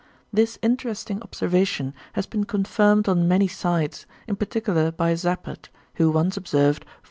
This interesting observation has been confirmed on many sides, in particular by Zappert, who once observed 4800 oxyphil per mm.